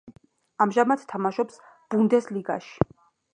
ამჟამად თამაშობს ბუნდესლიგაში.